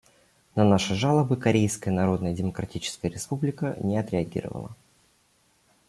На наши жалобы Корейская Народно-Демократическая Республика не отреагировала.